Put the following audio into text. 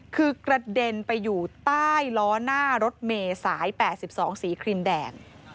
คือกระเด็นไปอยู่ใต้ล้อหน้ารถเมย์สาย๘๒สีครีมแดง